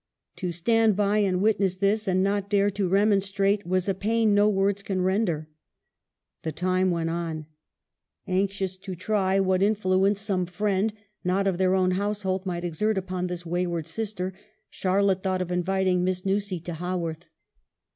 To stand by and witness this, and not dare to remonstrate, was a pain no words can render." The time went on. Anxious to try what in EMILY'S DEATH. 303 fluence some friend, not of their own household, might exert upon this wayward sister, Charlotte thought of inviting Miss Nussey to Haworth.